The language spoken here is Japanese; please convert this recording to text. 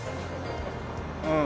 うん。